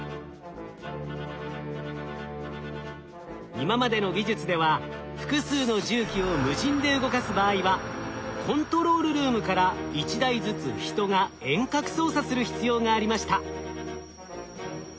今までの技術では複数の重機を無人で動かす場合はコントロールルームから１台ずつ人が遠隔操作する必要がありました。